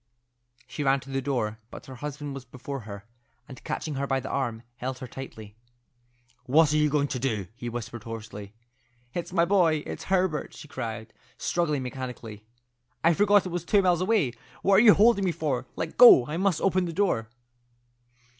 She ran to the door, but her husband was before her, and catching her by the arm, held her tightly. "What are you going to do?" he whispered hoarsely. "It's my boy; it's Herbert!" she cried, struggling mechanically. "I forgot it was two miles away. What are you holding me for? Let go. I must open the door."